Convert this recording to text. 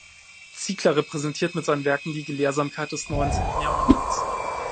Ziegler repräsentiert mit seinen Werken die Gelehrsamkeit des neunzehnten Jahrhunderts.